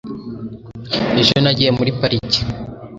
ejo nagiye muri pariki